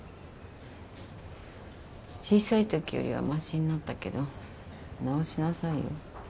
小さいときよりはましになったけど直しなさいよ。